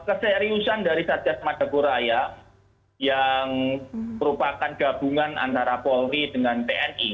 keseriusan dari satgas madagoraya yang merupakan gabungan antara polri dengan tni